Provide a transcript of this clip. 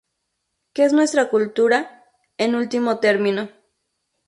que es nuestra cultura, en último término